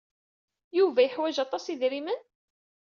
Yuba yeḥwaj aṭas n yidrimen?